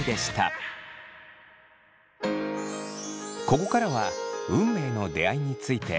ここからは運命の出会いについて。